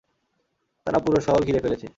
তারা পুরো শহর ঘিরে ফেলেছে।